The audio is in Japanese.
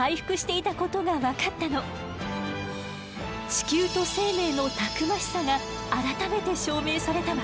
地球と生命のたくましさが改めて証明されたわ。